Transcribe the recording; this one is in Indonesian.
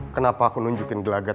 kenapa aku nunjukin gelagat